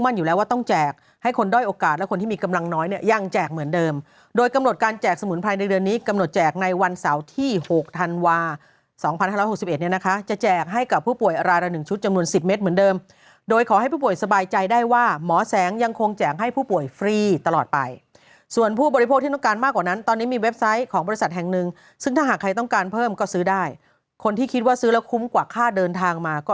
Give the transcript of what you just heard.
สมุนไพรในเดือนนี้กำหนดแจกในวันเสาร์ที่๖ธันวาส์๒๑๖๑นี้นะคะจะแจกให้กับผู้ป่วยราละ๑ชุดจำนวน๑๐เมตรเหมือนเดิมโดยขอให้ผู้ป่วยสบายใจได้ว่าหมอแสงยังคงแจกให้ผู้ป่วยฟรีตลอดไปส่วนผู้บริโภคที่ต้องการมากกว่านั้นตอนนี้มีเว็บไซต์ของบริษัทแห่งหนึ่งซึ่งถ้าหากใครต้องการเพิ่มก็